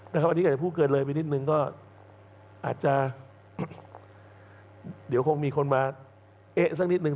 ถ้าเกิดถูกร้อนไปนิดนึงก็อาจจะเดี๋ยวมีคนมาเอะสักนิดนึง